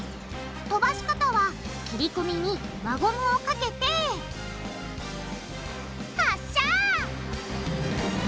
飛ばし方は切り込みに輪ゴムをかけて発射！